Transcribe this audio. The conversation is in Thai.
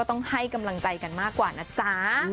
ต้องให้กำลังใจกันมากกว่านะจ๊ะ